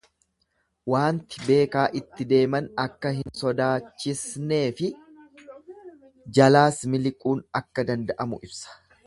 Waanti beekaa itti deeman akka hin sodaachisneefi jalaas miliquun akka danda'amu ibsa.